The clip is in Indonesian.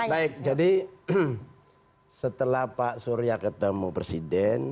baik jadi setelah pak surya ketemu presiden